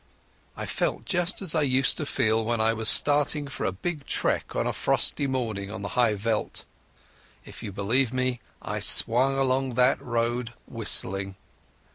I felt just as I used to feel when I was starting for a big trek on a frosty morning on the high veld. If you believe me, I swung along that road whistling.